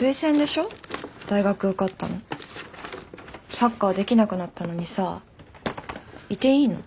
サッカーできなくなったのにさいていいの？